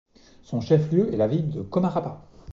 Son chef-lieu est la ville de Comarapa.